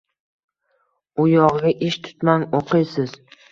— U yog‘iga ish tutmang. O‘qiysiz!..